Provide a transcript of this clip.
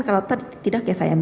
kalau tidak ya saya minum